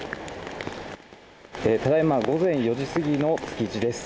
ただいま午前４時過ぎの築地です。